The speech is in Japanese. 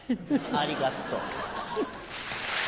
ありがとう。